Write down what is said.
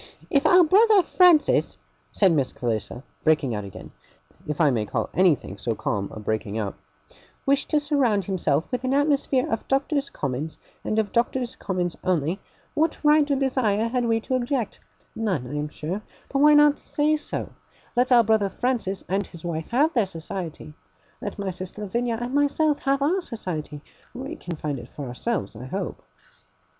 'If our brother Francis,' said Miss Clarissa, breaking out again, if I may call anything so calm a breaking out, 'wished to surround himself with an atmosphere of Doctors' Commons, and of Doctors' Commons only, what right or desire had we to object? None, I am sure. We have ever been far from wishing to obtrude ourselves on anyone. But why not say so? Let our brother Francis and his wife have their society. Let my sister Lavinia and myself have our society. We can find it for ourselves, I hope.